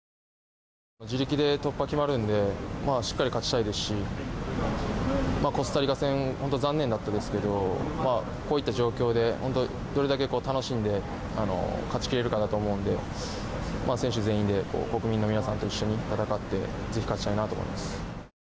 自力で突破が決まるのでしっかり勝ちたいですしコスタリカ戦本当に残念だったですけどこういった状況でどれだけ楽しんで勝ち切れるかだと思うので選手全員で国民の皆さんと一緒に戦ってぜひ勝ちたいなと思います。